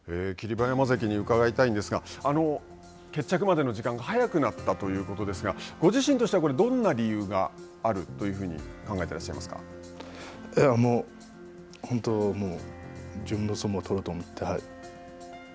馬山関に伺いたいんですが決着までの時間が早くなったということですが、ご自身としてはどんな理由があるというふうにもう本当もう、自分の相撲を取ろうと思って、はい。